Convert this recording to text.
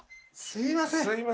すいません